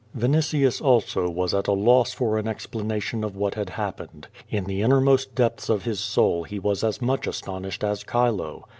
Vinitius also was at a loss for an explanation of what had happened. In the innermost depths of his soul he was as much astonished as Chilo.